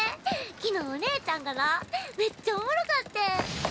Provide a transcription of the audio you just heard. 昨日お姉ちゃんがなめっちゃおもろかってん。